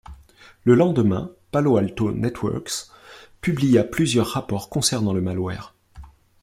Le lendemain, Palo Alto Networks publia plusieurs rapports concernant le malware.